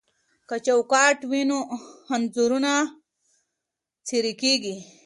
که چوکاټ وي نو انځور نه څیریږي.